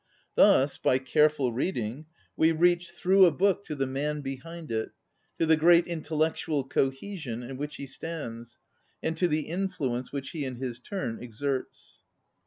Thus, by careful reading, we reach through ON READING a book to tiie man behind it, to the gl eat intellectual cohesion in which he stands, and to the influence which he in his turn exerts.